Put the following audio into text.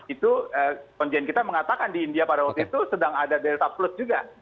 itu konjen kita mengatakan di india pada waktu itu sedang ada delta plus juga